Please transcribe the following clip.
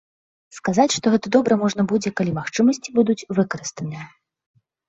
Сказаць, што гэта добра, можна будзе, калі магчымасці будуць выкарыстаныя.